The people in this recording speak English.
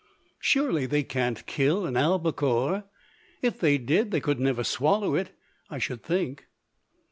"Surely they can't kill an albacore? If they did, they could never swallow it, I should think?"